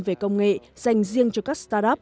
về công nghệ dành riêng cho các startup